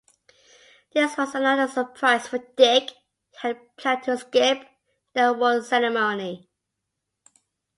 This was another surprise for Dick, who had planned to skip the awards ceremony.